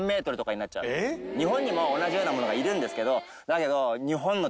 日本にも同じような物がいるんですけどだけど。